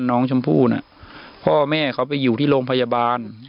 น้องชมพู่น่ะพ่อแม่เขาไปอยู่ที่โรงพยาบาล